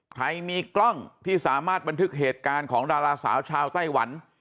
ใครมีกล้องที่สามารถบันทึกเหตุการณ์ของดาราสาวชาวไต้หวัน